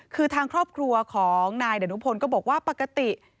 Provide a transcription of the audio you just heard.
คือทางครอบครัวของนายดนุพลก็บอกว่าปกติ